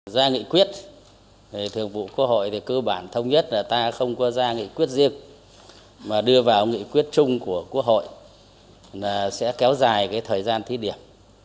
ra nghị quyết thường vụ quốc hội thì cơ bản thông nhất là ta không có ra nghị quyết riêng mà đưa vào nghị quyết chung của quốc hội là sẽ kéo dài cái thời gian thí điểm